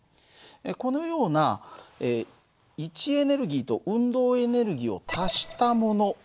このような位置エネルギーと運動エネルギーを足したもの